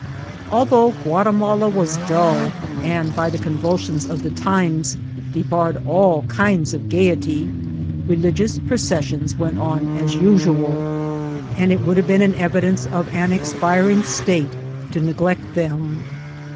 Although Guatimala was dull, and, by the ocmvulsions of the times, debarred all kinds of gayety, fdigions jNTocessions went on as usual, and it would have been an evidence of an expiring state to neglect them.